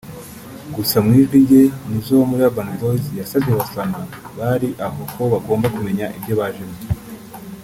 gusa mu ijwi rye Nizzo wo muri Urban Boyz yasabye abafana bari aho ko bagomba kumenya ibyo bajemo